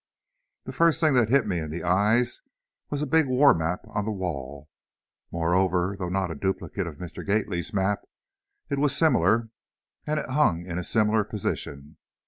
The first thing that hit me in the eyes, was a big war map on the wall. Moreover, though not a duplicate of Mr. Gately's map, it was similar, and it hung in a similar position.